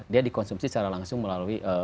dia dikonsumsi secara langsung melalui